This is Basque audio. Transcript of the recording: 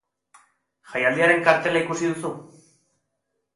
Jaialdiaren kartela ikusi duzu?